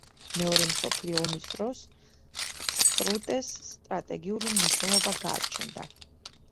მეორე მსოფლიო ომის დროს სრუტეს სტრატეგიული მნიშვნელობა გააჩნდა.